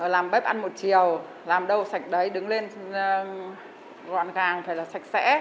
làm bếp ăn một chiều làm đâu sạch đấy đứng lên gọn gàng thật là sạch sẽ